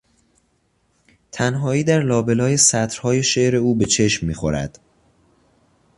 تنهایی در لابلای سطرهای شعر او به چشم میخورد.